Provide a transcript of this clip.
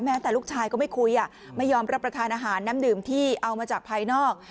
แต่ลูกชายก็ไม่คุยไม่ยอมรับประทานอาหารน้ำดื่มที่เอามาจากภายนอก